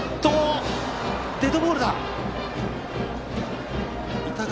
デッドボールだ！